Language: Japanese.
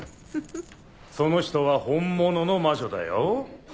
その人は本物の魔女だよ。